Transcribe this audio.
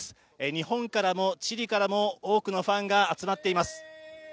日本からもチリからも多くのファンが集まっています。